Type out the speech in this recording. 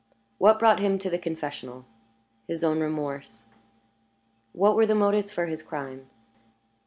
"What brought him to the confessional?" "His own remorse." "What were the motives for his crime?"